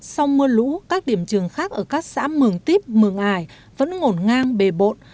sau mưa lũ các điểm trường khác ở các xã mường tiếp mường ải vẫn ngổn ngang bề bộn